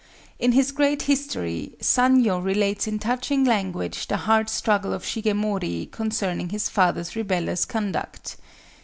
In his great history, Sanyo relates in touching language the heart struggle of Shigemori concerning his father's rebellious conduct.